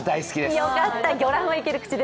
よかった。